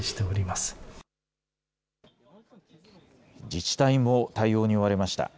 自治体も対応に追われました。